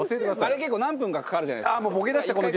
あれ結構何分かかかるじゃないですか。